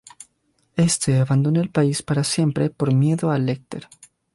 Este abandona el país para siempre por miedo a Lecter.